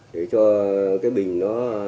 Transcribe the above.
để cho cái bình nó